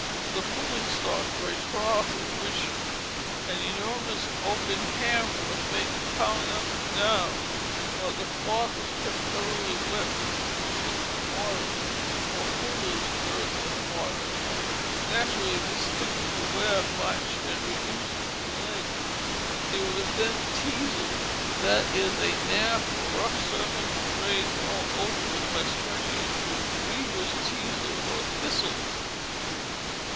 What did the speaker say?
The fulling stocks were a trough in which an enormous oaken hammer was made to pound up and down, while the cloth was kept thoroughly wet with warm soap and water, or fullers' earth and water. Naturally this thickened the web much and reduced it in length. It was then teazelled; that is, a nap or rough surface was raised all over it by scratching it with weavers' teazels or thistles.